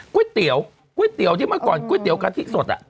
ก๋วยเตี๋ยวที่เมื่อก่อนก๋วยเตี๋ยวกาทิสดอ่ะ